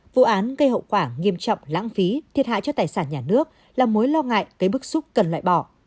vụ án gây hậu quả nghiêm trọng lãng phí thiệt hại cho tài sản nhà nước là mối lo ngại cây bức xúc cần loại bỏ